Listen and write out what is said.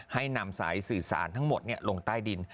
ให้นำสายสื่อสารทั้งหมดลงใต้ดิน